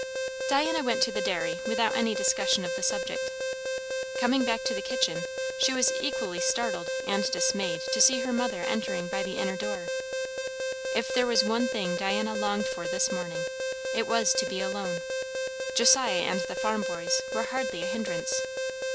Diana went to the dairy without any discussion of the subject. Coming back to the kitchen, she was equally startled and dismayed to see her mother entering by the inner door. If there was one thing Diana longed for this morning, it was, to be alone. Josiah and the farm boys were hardly a hindrance.